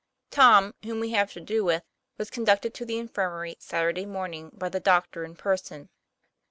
Tom, whom we have to do with, was conducted to the infirmary Saturday morning by the doctor in person.